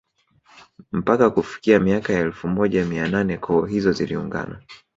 Mpaka kufikia miaka ya elfu moja mia nane koo hizo ziliungana